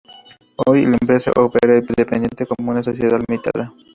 Hoy, la empresa opera independiente como una sociedad limitada.